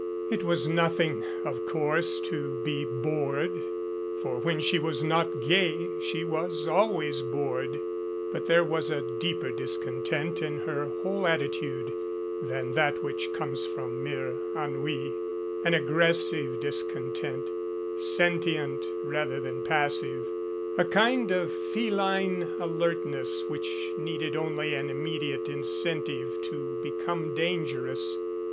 It was nothing, of course, to be bored, for when she was not gay she was always bored; but there was a deeper discontent in her whole attitude than that which comes from mere ennui, an aggressive discontent, sentient rather than passive, a kind of feline alertness which needed only an immediate incentive to become dangerous.